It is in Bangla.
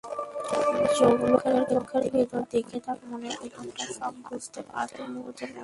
লোকের চোখের ভেতর দেখে তার মনের ভেতরটা সব বুঝতে পারতুম মুহূর্তের মধ্যে।